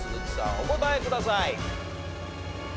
お答えください。